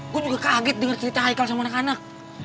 gue juga kaget denger cerita haikal sama anak anak